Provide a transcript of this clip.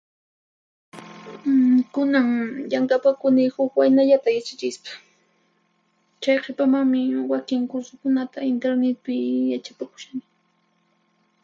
Kunanqa llank'apakuni huq waynallata yachachispa. Chay qhipamanmi wakin kursukunata intirnitpi yachapakushani.